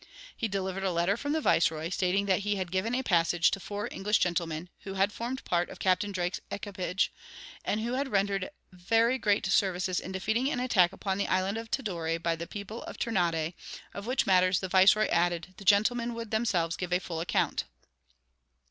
He delivered a letter from the viceroy, stating that he had given a passage to four English gentlemen, who had formed part of Captain Drake's equipage, and who had rendered very great services in defeating an attack upon the island of Tidore by the people of Ternate, of which matters, the viceroy added, the gentlemen would themselves give a full account.